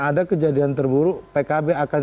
ada kejadian terburuk pkb akan